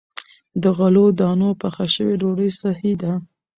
د غلو- دانو پخه شوې ډوډۍ صحي ده.